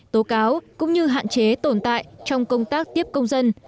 tố cáo cũng như hạn chế tồn tại trong công tác tiếp công dân